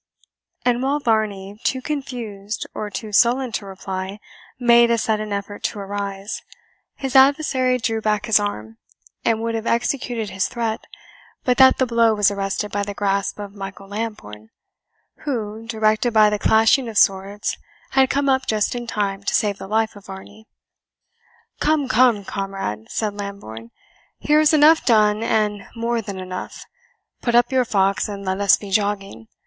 And while Varney, too confused or too sullen to reply, made a sudden effort to arise, his adversary drew back his arm, and would have executed his threat, but that the blow was arrested by the grasp of Michael Lambourne, who, directed by the clashing of swords had come up just in time to save the life of Varney. "Come, come, comrade;" said Lambourne, "here is enough done and more than enough; put up your fox and let us be jogging.